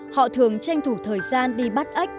họ thường tranh thủ thời gian đi bắt ếch